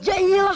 ya ini lah